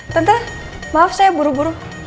tante maaf saya buru buru